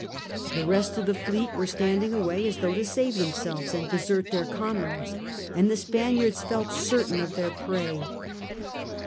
The rest of the fleet were standing away as though to save themselves and desert their comrades, and the Spaniards felt certain of their prey.